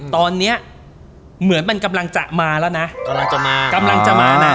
ตอนนี้เหมือนมันกำลังจะมาแล้วนะกำลังจะมากำลังจะมาน่ะ